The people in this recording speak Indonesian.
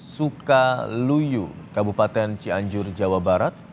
suka luyu kabupaten cianjur jawa barat